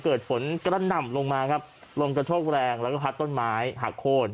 เกิดฝนกระหน่ำลงมาครับลมกระโชกแรงแล้วก็พัดต้นไม้หักโค้น